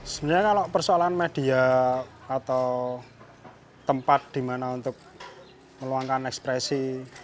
sebenarnya kalau persoalan media atau tempat di mana untuk meluangkan ekspresi